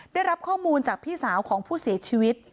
ได้รับข้อมูลจากพี่สาวของผู้เสียชีวิต